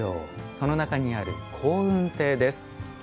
その中にある香雲亭です。